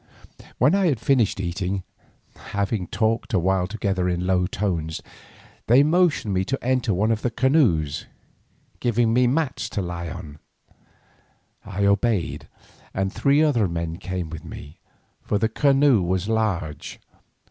When I had finished eating, having talked a while together in low tones, they motioned me to enter one of the canoes, giving me mats to lie on. I obeyed, and three other men came with me, for the canoe was large.